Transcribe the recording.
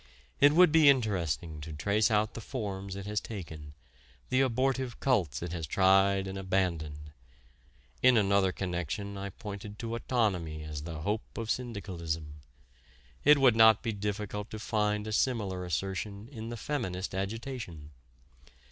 It would be interesting to trace out the forms it has taken, the abortive cults it has tried and abandoned. In another connection I pointed to autonomy as the hope of syndicalism. It would not be difficult to find a similar assertion in the feminist agitation.